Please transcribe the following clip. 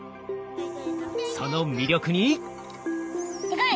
その魅力に。